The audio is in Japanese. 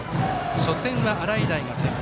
初戦は洗平が先発。